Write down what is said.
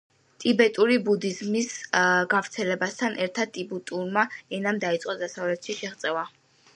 ტიბეტური ბუდიზმის გავრცელებასთან ერთად ტიბეტურმა ენამ დაიწყო დასავლეთში შეღწევა.